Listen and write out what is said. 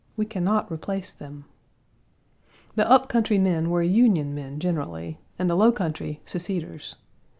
We can not replace them." The up country men were Union men generally, and the low country seceders.